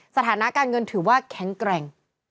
สถานะการเงินถือว่าแข็งแกร่ง